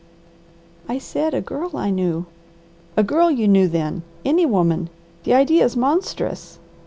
"I said a girl I knew!" "'A Girl you knew,' then! Any woman! The idea is monstrous.